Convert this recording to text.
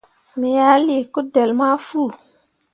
Me ah lii kudelle ma fu.